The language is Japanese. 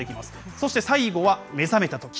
そして最後は目覚めたとき。